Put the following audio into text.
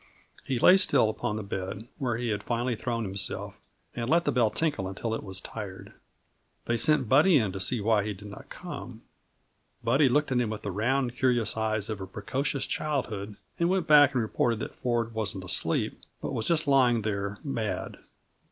He lay still upon the bed where he had finally thrown himself, and let the bell tinkle until it was tired. They sent Buddy in to see why he did not come. Buddy looked at him with the round, curious eyes of precocious childhood and went back and reported that Ford wasn't asleep, but was just lying there mad.